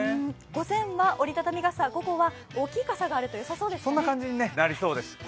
午前は折り畳み傘、午後は大きい傘があるとよさそうですね。